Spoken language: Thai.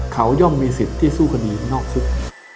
เขาย่อมมีสิทธิ์ที่สู้คดีนอกคุก